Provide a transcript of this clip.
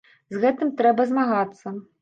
З гэтым трэба змагацца.